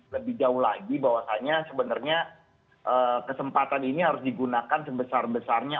lebih jauh lagi bahwasannya sebenarnya kesempatan ini harus digunakan sebesar besarnya